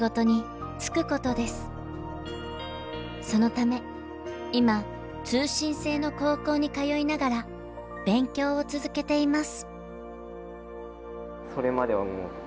そのため今通信制の高校に通いながら勉強を続けています。